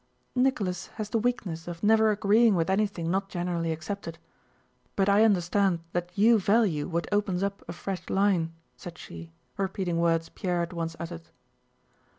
"Nicholas has the weakness of never agreeing with anything not generally accepted. But I understand that you value what opens up a fresh line," said she, repeating words Pierre had once uttered.